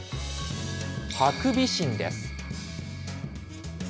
ハクビシンです。